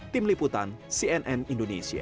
tim liputan cnn indonesia